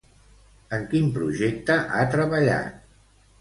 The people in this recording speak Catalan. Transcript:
En quin projecte ha treballat?